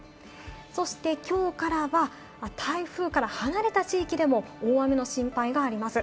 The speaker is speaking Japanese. そしてきょうからは台風から離れた地域でも大雨の心配があります。